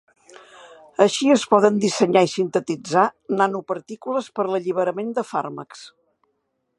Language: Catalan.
Així es poden dissenyar i sintetitzar nanopartícules per a l'alliberament de fàrmacs.